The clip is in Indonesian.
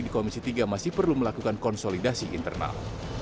di komisi tiga masih perlu melakukan konsolidasi internal